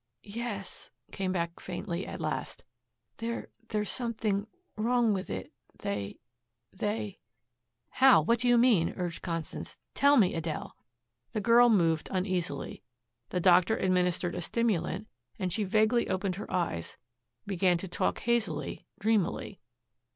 "Yes," came back faintly at last. "There there's something wrong with it They they " "How? What do you mean?" urged Constance. "Tell me, Adele." The girl moved uneasily. The doctor administered a stimulant and she vaguely opened her eyes, began to talk hazily, dreamily.